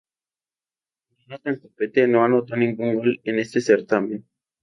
Jonathan Copete no anotó ningún gol en este certamen.